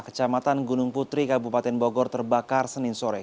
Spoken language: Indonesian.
kecamatan gunung putri kabupaten bogor terbakar senin sore